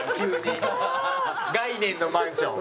概念のマンション。